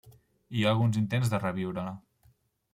Hi ha alguns intents de reviure-la.